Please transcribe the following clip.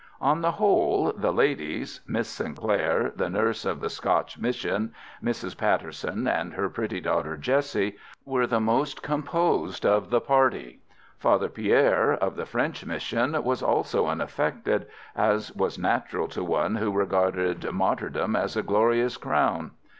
On the whole, the ladies—Miss Sinclair, the nurse of the Scotch Mission, Mrs. Patterson, and her pretty daughter Jessie, were the most composed of the party. Father Pierre of the French Mission, was also unaffected, as was natural to one who regarded martyrdom as a glorious crown.